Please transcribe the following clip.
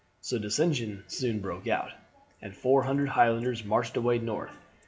So dissension soon broke out, and four hundred Highlanders marched away north.